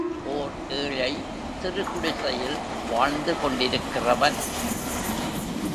ஓர் ஏழை, சிறு குடிசையில் வாழ்ந்து கொண்டிருக்கிறவன்.